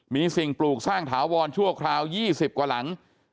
มีสิ่งปลูกสร้างถาวรชั่วคราว๒๐กว่าหลัง